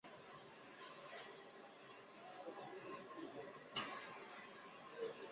在中华民国。